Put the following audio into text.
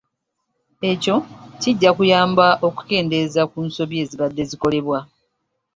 Ekyo kijja kuyamba okukendeeza ku nsobi ezibadde zikolebwa.